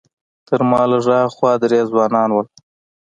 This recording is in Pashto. تر ما لږ ها خوا درې ځوانان وو.